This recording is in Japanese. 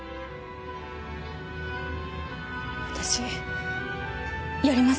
私やります！